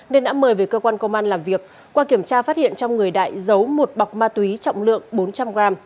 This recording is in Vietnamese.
nên đã mời về cơ quan công an làm việc qua kiểm tra phát hiện trong người đại giấu một bọc ma túy trọng lượng bốn trăm linh g